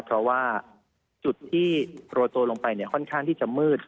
เพราะว่าจุดที่โรยตัวลงไปค่อนข้างที่จะมืด